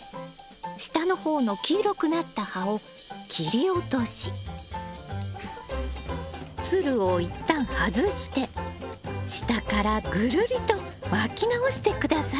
下の方の黄色くなった葉を切り落としつるを一旦外して下からぐるりと巻き直して下さい。